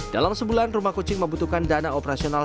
dalam sebulan rumah kucing membutuhkan dana operasional